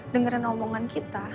dengerin omongan kita